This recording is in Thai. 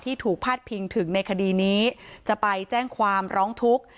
ถูกพาดพิงถึงในคดีนี้จะไปแจ้งความร้องทุกข์